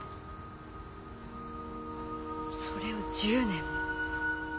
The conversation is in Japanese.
それを１０年も。